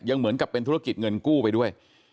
เหมือนกับเป็นธุรกิจเงินกู้ไปด้วย